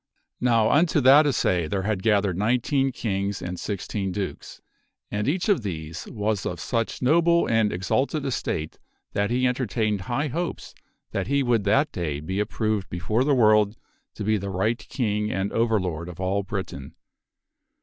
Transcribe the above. Now unto that assay there had gathered nineteen kings and sixteen dukes, and each of these was of such noble and exalted estate that he en tertained high hopes that he would that day be approved before the world to be the right king and overlord of all Britain.